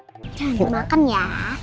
jangan dimakan ya